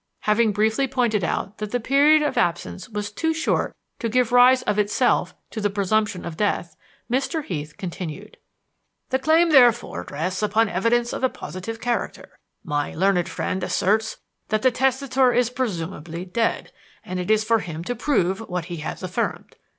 Having briefly pointed out that the period of absence was too short to give rise of itself to the presumption of death, Mr. Heath continued: "The claim therefore rests upon evidence of a positive character. My learned friend asserts that the testator is presumably dead, and it is for him to prove what he has affirmed.